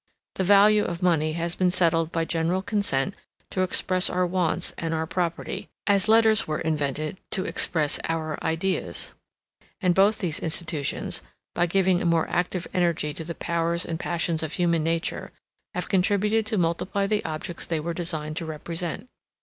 The value of money has been settled by general consent to express our wants and our property, as letters were invented to express our ideas; and both these institutions, by giving a more active energy to the powers and passions of human nature, have contributed to multiply the objects they were designed to represent.